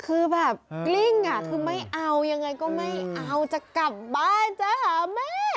คือแบบกลิ้งอ่ะคือไม่เอายังไงก็ไม่เอาจะกลับบ้านจะหาแม่